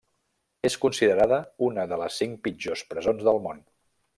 És considerada una de les cinc pitjors presons del món.